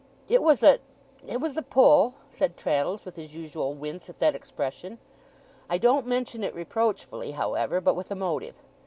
'It was a it was a pull,' said Traddles, with his usual wince at that expression. 'I don't mention it reproachfully, however, but with a motive.